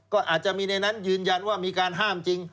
ก็อาจจะมีในนั้นยืนยันว่ามีการห้ามจริง